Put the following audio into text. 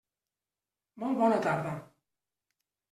Molt bona tarda.